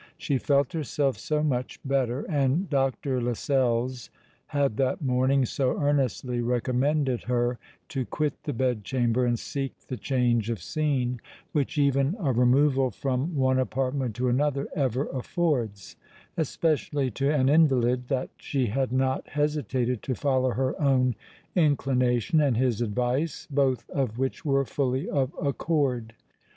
She felt herself so much better, and Dr. Lascelles had that morning so earnestly recommended her to quit the bed chamber and seek the change of scene which even a removal from one apartment to another ever affords—especially to an invalid, that she had not hesitated to follow her own inclination and his advice, both of which were fully of accord.